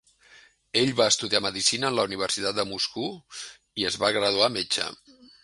Ell va estudiar medicina en la Universitat de Moscou i es va graduar metge.